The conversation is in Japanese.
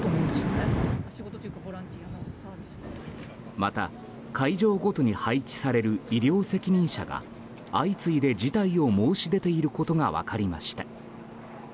また会場ごとに配置される医療責任者が相次いで辞退を申し出ていることが分かりました。